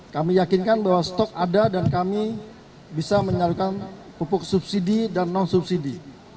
kami yakinkan bahwa stok ada dan kami bisa menyalurkan pupuk subsidi dan non subsidi